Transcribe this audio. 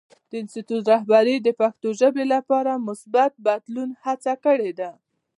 د انسټیټوت رهبرۍ د پښتو ژبې لپاره د مثبت بدلون هڅه کړې ده.